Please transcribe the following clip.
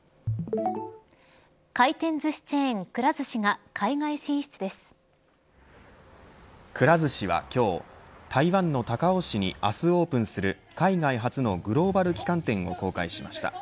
回転ずしチェーンくら寿司がくら寿司は今日台湾の高雄市に明日オープンする海外初のグローバル旗艦店を公開しました。